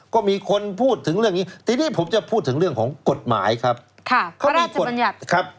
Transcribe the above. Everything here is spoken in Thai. ก็มีคนพูดถึงเรื่องนี้ทีนี้ผมจะพูดถึงเรื่องของกฎหมายครับ